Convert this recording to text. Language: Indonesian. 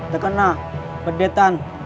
terkena pedeta urus marraga kulis ternyata